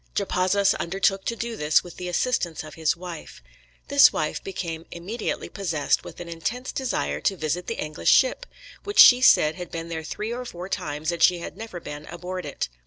Japazaws undertook to do this with the assistance of his wife. This wife became immediately possessed with an intense desire to visit the English ship, which she said had been there three or four times and she had never been aboard it.